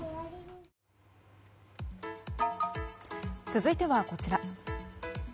続いては、こちら。